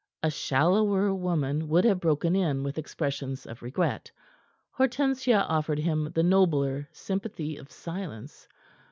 A shallower woman would have broken in with expressions of regret; Hortensia offered him the nobler sympathy of silence.